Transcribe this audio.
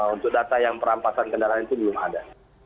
untuk data yang perampasan kendaraan itu belum ada